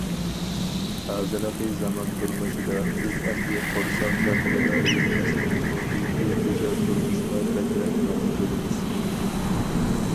ھازىرقى زامان تۇرمۇشىدا، بىز ئەمدى قورساق غېمىدىلا يۈرمەستىن، مۇھىتى گۈزەل تۇرمۇشقا بەكرەك كۆڭۈل بۆلىمىز.